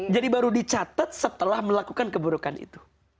jadi baru dicatat setelah melakukan keburukan itu